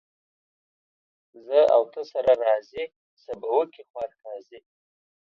زه او ته سره راضي ، څه به وکي خوار قاضي.